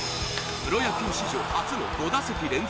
プロ野球史上初の５打席連続